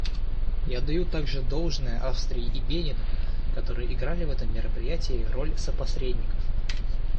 Я отдаю также должное Австрии и Бенину, которые играли в этом мероприятии роль сопосредников.